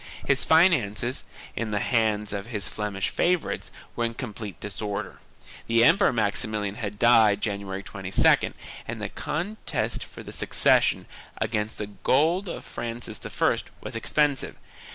His finances, in the hands of his Flemish favorites, were in com plete disorder. The Emperor Maximilian had died January 22d and the contest for the succession, against the gold of Francis I, was expensive.